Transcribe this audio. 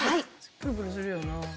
プルプルするよな。